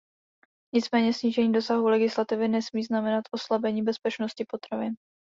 Nicméně snížení rozsahu legislativy nesmí znamenat oslabení bezpečnosti potravin.